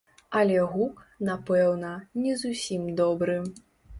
Але гук, напэўна, не зусім добры.